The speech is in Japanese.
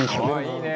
「いいね」